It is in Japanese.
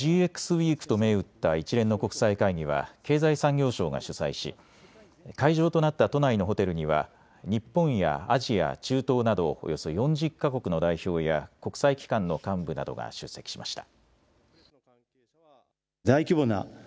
ウィークと銘打った一連の国際会議は経済産業省が主催し会場となった都内のホテルには日本やアジア、中東などおよそ４０か国の代表や国際機関の幹部などが出席しました。